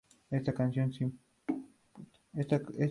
Esta canción simula ser cantada con público pero es en estudio.